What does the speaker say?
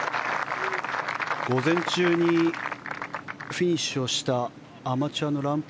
午前中にフィニッシュしたアマチュアのランプ